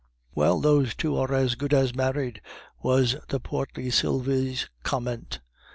"Well, those two are as good as married," was the portly Sylvie's comment.